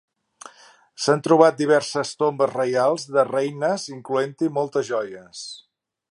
S'han trobat diverses tombes reials, de reines, incloent-hi moltes joies.